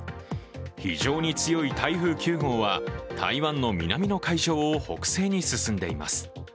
非常に強い台風９号は台湾の南の海上を北西に進んでいます。